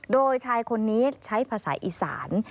โดยชายคนนี้ใช้ภาษาอีสาน